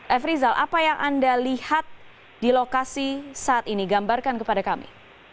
f rizal apa yang anda lihat di lokasi saat ini gambarkan kepada kami